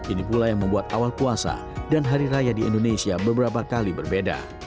ini pula yang membuat awal puasa dan hari raya di indonesia beberapa kali berbeda